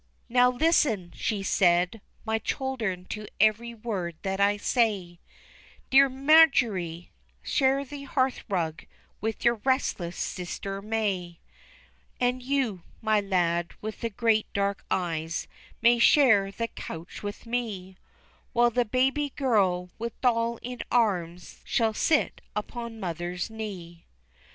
"Now listen," she said, "my children, to every word that I say, Dear Marjory, share the hearthrug with your restless sister May, And you, my lad, with the great dark eyes, may share the couch with me, While the baby girl, with doll in arms, shall sit upon mother's knee.